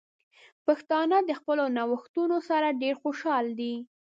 پښتانه د خپلو نوښتونو سره ډیر خوشحال دي.